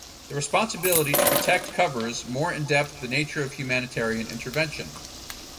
The responsibility to protect covers more in depth the nature of humanitarian intervention.